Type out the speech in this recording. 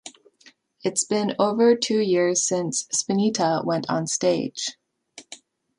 It's been over two years since Spinetta went on stage.